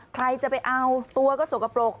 ใครจะไปเอาตัวก็สกปรก